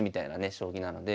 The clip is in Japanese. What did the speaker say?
将棋なので。